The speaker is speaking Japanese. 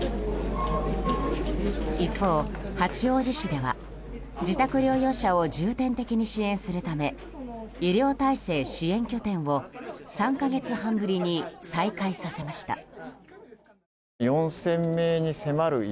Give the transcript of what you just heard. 一方、八王子市では自宅療養者を重点的に支援するため医療体制支援拠点を３か月半ぶりに再開させました。